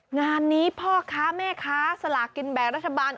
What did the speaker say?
งานนี้พ่อค้าแม่ค้าสลากินแบ่งรัฐบาล